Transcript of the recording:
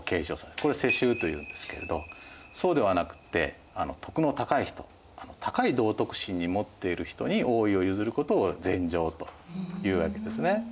これを世襲というんですけれどそうではなくって徳の高い人高い道徳心持っている人に王位を譲ることを禅譲というわけですね。